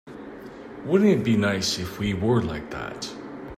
Wouldn't it be nice if we were like that?